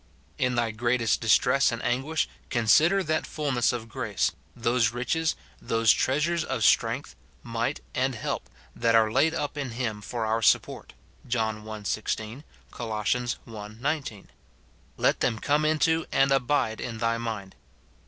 In thy greatest distress and anguish, con sider that fulness of grace, those riches, those f treasures of strength, might, and help, that are laid up in him for our support, John i. 16 ; Col. i. 19. Let them come into and abide in thy mind.